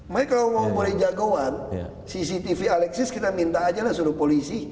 mereka ngomong ngomong dari jagoan cctv alexis kita minta aja lah suruh polisi